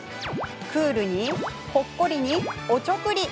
クールに、ほっこりにおちょくり。